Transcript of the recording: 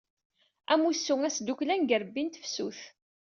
Amussu asdukklan deg yirebbi n tefsut.